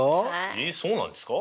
えっそうなんですか？